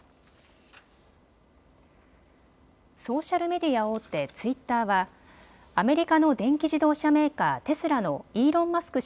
ソーシャルメディア大手、ツイッターはアメリカの電気自動車メーカー、テスラのイーロン・マスク